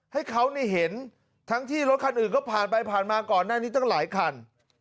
ให้เขาเห็นทั้งที่รถคันอื่นก็ผ่านไปผ่านมาก่อนหน้านี้ตั้งหลายคัน